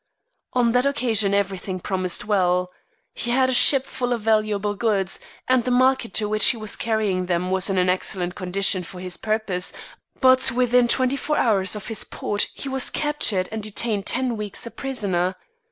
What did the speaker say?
On that occasion everything promised well. He had a ship full of valuable goods, and the market to which he was carrying them was in an excellent condition for his purpose, but within twenty four hours of his port he was captured, and detained ten weeks a prisoner.